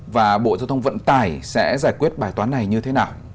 và bộ giao thông vận tải sẽ giải quyết bài toán này như thế nào